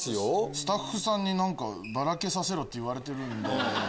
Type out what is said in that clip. スタッフさんにバラけさせろって言われてるんで。